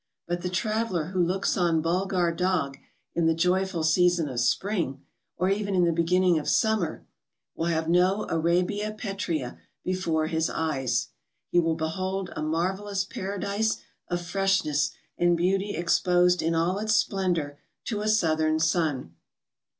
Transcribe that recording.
But the traveller who looks on Biilghar Dagh in the joy¬ ful season of spring, or even in the beginning of summer, will have no Arabia Petrea before his eyes ; he will behold a marvellous paradise of fresh¬ ness and beauty exposed in all its splendour to a southern sun.